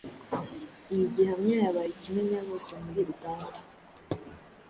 Iyi gihamya yabaye ikimenyabose muri Uganda,